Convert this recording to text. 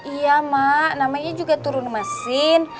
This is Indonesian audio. iya mak namanya juga turun mesin